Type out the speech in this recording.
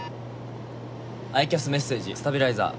アイキャス・メッセージ・“スタビライザー”。